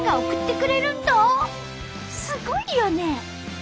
すごいよね！